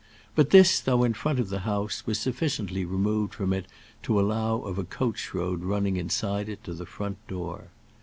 But this, though in front of the house, was sufficiently removed from it to allow of a coach road running inside it to the front door.